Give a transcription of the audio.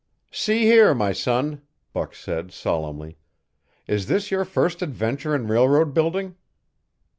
"See here, my son," Buck said solemnly, "is this your first adventure in railroad building?"